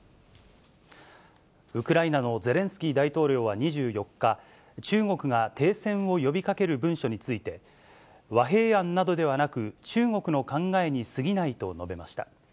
ウクライナのゼレンスキー大統領は２４日、中国が停戦を呼びかける文書について、和平案などではなく、中国の考えにすぎないと述べました。